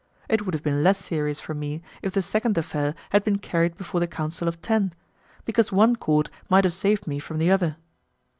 It would have been less serious for me if the second affair had been carried before the Council of Ten, because one court might have saved me from the other.